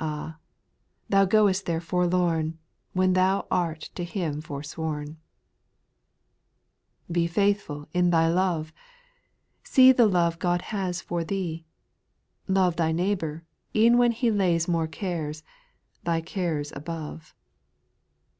Ah I thou goest there forlorn, When thou art to Him forsworn I 4. Be faithful in thy love ! See the love God has for thee ! Love thy neighbour, e'en when he Lays more cares, thy care above.